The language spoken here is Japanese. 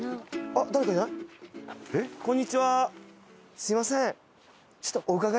すみません。